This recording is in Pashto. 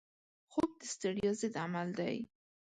خوب د ستړیا ضد عمل دی